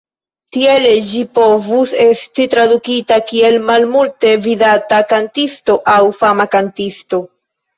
Tiele ĝi povus esti tradukita kiel "malmulte vidata kantisto" aŭ "fama kantisto".